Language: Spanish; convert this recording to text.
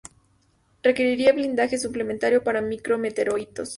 Requeriría blindaje suplementario para micro meteoritos.